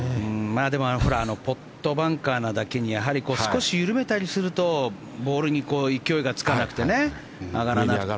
でもポットバンカーなだけに少し緩めたりするとボールに勢いがつかなくて上がらなくて。